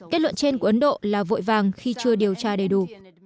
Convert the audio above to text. kết luận trên của ấn độ là vội vàng khi chưa điều tra đầy đủ